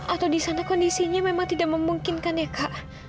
atau di sana kondisinya memang tidak memungkinkan ya kak